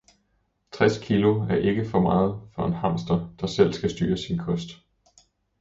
Tres kilo er ikke meget for en hamster, der selv skal styre sin kost